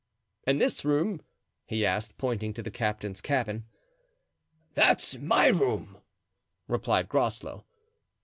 "And this room?" he asked, pointing to the captain's cabin. "That's my room," replied Groslow.